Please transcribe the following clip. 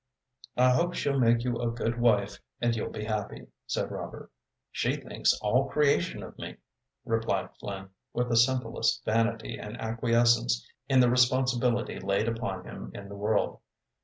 "I hope she'll make you a good wife and you'll be happy," said Robert. "She thinks all creation of me," replied Flynn, with the simplest vanity and acquiescence in the responsibility laid upon him in the world.